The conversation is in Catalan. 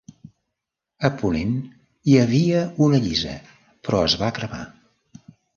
A ponent hi havia una lliça però es va cremar.